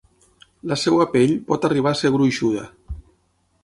La seva pell pot arribar a ser gruixuda.